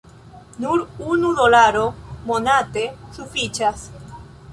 Nur unu dolaro monate sufiĉas